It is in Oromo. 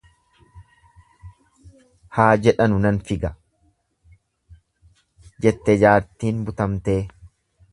Haa jedhanu nan figa, jette jaartiin butamtee.